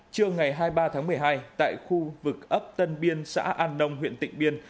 trưa ngày hai mươi ba tháng một mươi hai tại khu vực ấp tân biên xã an nông huyện tịnh biên